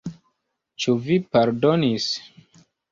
Ĉu vi pardonis?